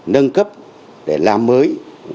nâng cấp để làm mới